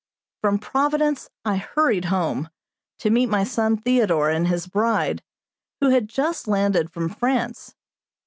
From Providence I hurried home, to meet my son Theodore and his bride, who had just landed from France.